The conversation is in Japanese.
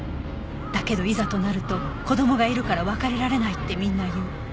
「だけどいざとなると子供がいるから別れられないってみんな言う」